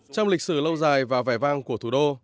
trong lịch sử lâu dài và vẻ vang của thủ đô